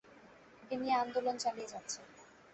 এ নিয়ে আন্দোলন চালিয়ে যাচ্ছেন।